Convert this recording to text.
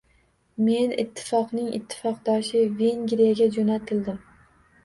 Men Ittifoqning ittifoqdoshi Vengriyaga joʻnatildim.